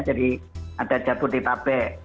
jadi ada jabuti tape